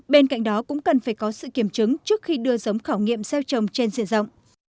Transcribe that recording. bên cạnh đó cũng cần phải có sự kiểm chứng trước khi đưa giống khảo nghiệm gieo trồng trên diện rộng